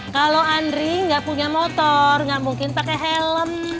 kalau andri gak punya motor gak mungkin pake helm